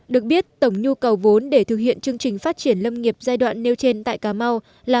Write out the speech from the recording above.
được biết tổng nhu cầu vốn để thực hiện chương trình phát triển lâm nghiệp giai đoạn nêu trên tại cà mau là